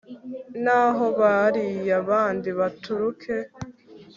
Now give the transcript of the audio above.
naho bariya bandi baturuke